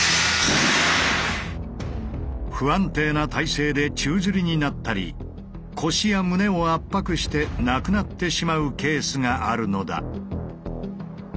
不安定な体勢で宙づりになったり腰や胸を圧迫して亡くなってしまうケースがあるのだ。